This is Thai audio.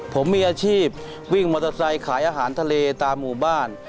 ผมมีอาชีพวิ่งมอเตอร์ไซค์ขายอาหารทะเลตามหมู่บ้าน